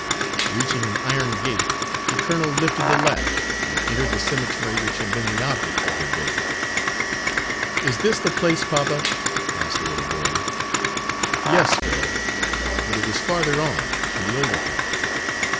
Reaching an iron gate, the colonel lifted the latch, and entered the cemetery which had been the object of their visit. "Is this the place, papa?" asked the little boy. "Yes, Phil, but it is farther on, in the older part."